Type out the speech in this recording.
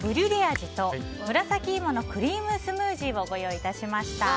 味と紫いものクリームスムージーをご用意いたしました。